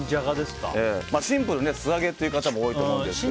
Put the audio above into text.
シンプルに素揚げという方も多いと思いますけど。